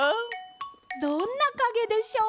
どんなかげでしょう？